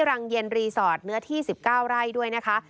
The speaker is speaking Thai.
รังเย็นรีสอร์ทเนื้อที่๑๙ไร่ด้วยนะคะ